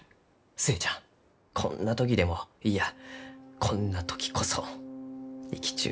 寿恵ちゃんこんな時でもいやこんな時こそ生きちゅう